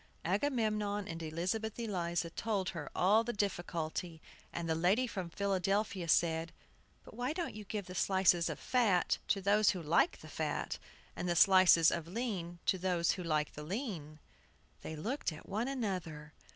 Agamemnon and Elizabeth Eliza told her all the difficulty, and the lady from Philadelphia said, "But why don't you give the slices of fat to those who like the fat, and the slices of lean to those who like the lean?" They looked at one another.